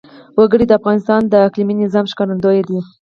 وګړي د افغانستان د اقلیمي نظام ښکارندوی ده.